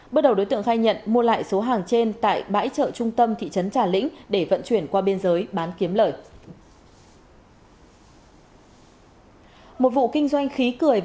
bước đầu đối tượng khai nhận mua lại số hàng trên tại bãi chợ trung tâm thị trấn trà lĩnh để vận chuyển qua biên giới bán kiếm lời